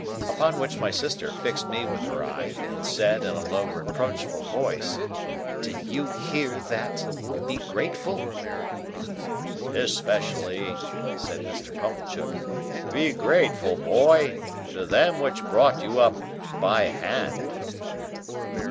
Upon which my sister fixed me with her eye, and said, in a low reproachful voice, "Do you hear that? Be grateful." "Especially," said Mr. Pumblechook, "be grateful, boy, to them which brought you up by hand."